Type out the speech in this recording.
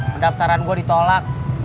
pendaftaran gue ditolak